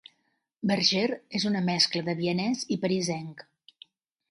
Berger és una mescla de vienès i parisenc.